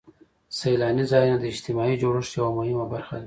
سیلاني ځایونه د اجتماعي جوړښت یوه مهمه برخه ده.